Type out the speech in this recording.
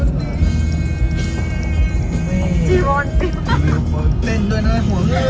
ทำไมไม่ถึงหัวเลยครับ